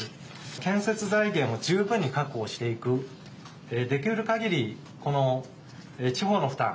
建設財源を十分に確保していくできるかぎりこの地方の負担